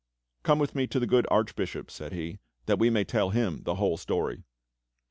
"Come with me to the good Archbishop," said he, "that we may tell him the whole story."